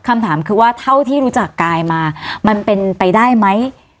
คำถามคือว่าเท่าที่รู้จักกายมามันเป็นไปได้ไหม